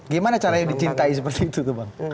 gimana caranya dicintai seperti itu tuh bang